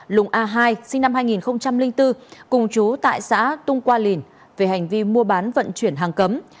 lùng a hai sinh năm hai nghìn bốn cùng chú tại xã tung qua lìn về hành vi mua bán vận chuyển hàng cấm